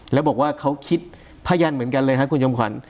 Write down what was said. แล้วบอกว่าเขาคิดพยันเหมือนกันเลยครับคุณจำขวัญ